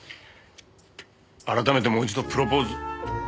改めてもう一度プロポーズ。